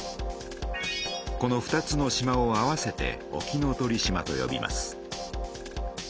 この２つの島を合わせて沖ノ鳥島とよびます。